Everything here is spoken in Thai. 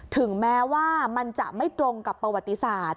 ถึงแม้ว่ามันจะไม่ตรงกับประวัติศาสตร์